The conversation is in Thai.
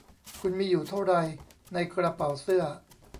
คุณมีอยู่เท่าไรในกระเป๋าเสื้อ